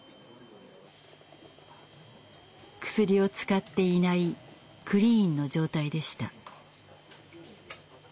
クスリを使っていないクリーンの状態でした。